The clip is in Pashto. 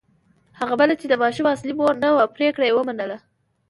هغه بله چې د ماشوم اصلي مور نه وه پرېکړه یې ومنله.